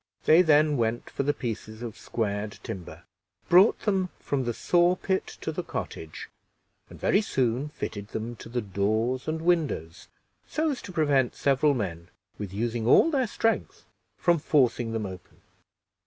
They then went for the pieces of squared timber, brought them from the saw pit to the cottage, and very soon fitted them to the doors and windows, so as to prevent several men, with using all their strength, from forcing them open.